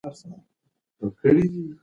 انا په ډېرې وېرې سره یو ناڅاپه چیغه کړه.